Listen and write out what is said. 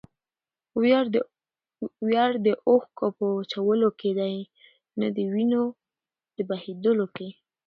ویاړ د اوښکو په وچولو کښي دئ؛ نه دوینو په بهېودلو کښي.